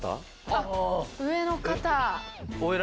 あっ上の方。